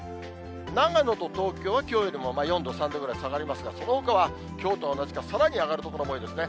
長野と東京は、きょうよりも４度、３度ぐらい下がりますが、そのほかはきょうと同じか、さらに上がる所も多いですね。